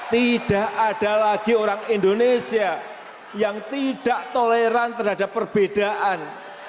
tidak ada lagi orang indonesia yang tidak toleran terhadap perbedaan